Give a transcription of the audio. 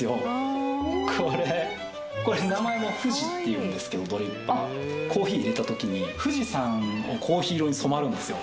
これ名前もｆｕｊｉっていうんですけどドリッパーコーヒーいれた時に富士山をコーヒー色に染まるんですよ